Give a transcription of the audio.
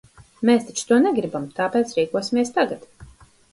Mēs taču to negribam, tāpēc rīkosimies tagad!